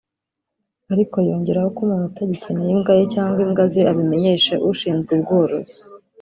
ariko yongeraho ko umuntu utagikeneye imbwa ye cyangwa imbwa ze abimenyesha ushinzwe ubworozi